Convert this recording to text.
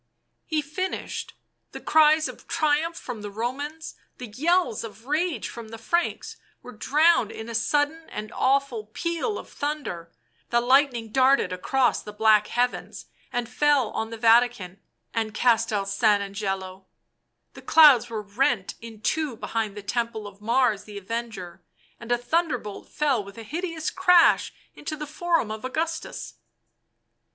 He finished ; the cries of triumph from the Romans, the yells of rage from the Franks were drowned in a sudden and awful peal of thunder ; the lightning darted across the black heavens and fell on the Vatican and Castel San Angelo. The clouds were rent in two behind the temple of Mars the Avenger, and a thunder bolt fell with a hideous crash into the Forum of Augustus.